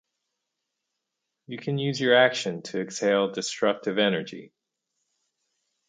You can use your action to exhale destructive energy.